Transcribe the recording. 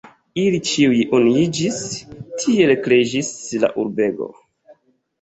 Ili ĉiuj unuiĝis, tiel kreiĝis la urbego.